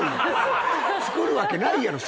作るわけないやろ。